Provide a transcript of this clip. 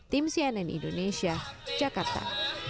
tim cnn indonesia jakarta